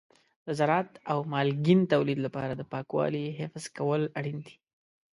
د زراعت او مالګین تولید لپاره د پاکوالي حفظ کول اړین دي.